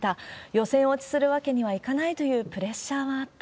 予選落ちするわけにはいかないというプレッシャーはあった。